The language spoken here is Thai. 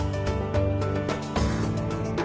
กลับไปที่นั่นแหละ